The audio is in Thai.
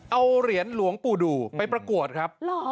เอาเหรียญหลวงปู่ดูไปประกวดครับ